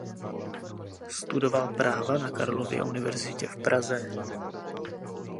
Studoval práva na Karlově univerzitě v Praze.